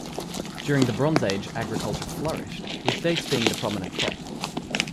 During the Bronze Age, agriculture flourished, with dates being the prominent crop.